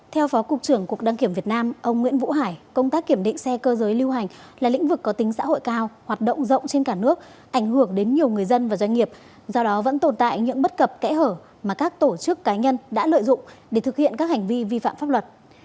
theo phó cục trưởng cục đăng kiểm việt nam ông nguyễn vũ hải công tác kiểm định xe cơ giới lưu hành là lĩnh vực có tính xã hội cao hoạt động rộng trên cả nước ảnh hưởng đến nhiều người dân và doanh nghiệp do đó vẫn tồn tại những bất cập kẽ hở mà các tổ chức cá nhân đã lợi dụng để thực hiện các hành vi vi phạm pháp luật